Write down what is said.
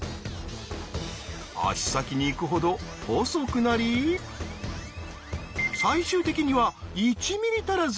足先に行くほど細くなり最終的には１ｍｍ足らず。